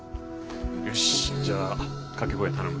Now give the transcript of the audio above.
よしじゃあ掛け声頼む。